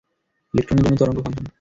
ইলেকট্রনের জন্য তরঙ্গ ফাংশন।